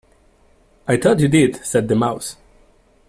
‘I thought you did,’ said the Mouse.